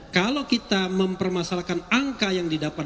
kalau kita mempermasalahkan angka yang didapat